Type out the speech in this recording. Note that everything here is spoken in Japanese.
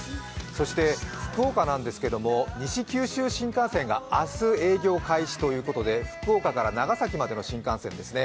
そして、福岡なんですけども西九州新幹線が明日、営業開始ということで福岡から長崎までの新幹線ですね。